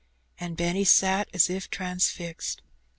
And Benny sat as if transfixed.